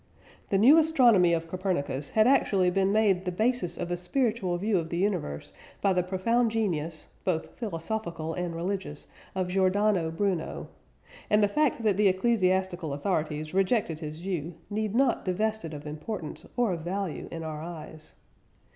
The new astronomy of Copernicus had actually been made the basis of a spiritual view of the universe by the profound genius (both philosophical and religious) of Giordano Bruno. And the fact that the ecclesiastical authorities rejected his view need not divest it of importance or of value in our eyes.